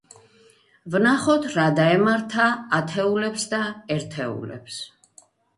ვნახოთ რა დაემართა ათეულებს და ერთეულებს.